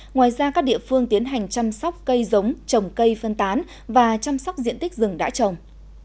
ngoài ra các địa phương tiến hành chăm sóc cây giống trồng cây phân tán và chăm sóc diện tích rừng đã trồng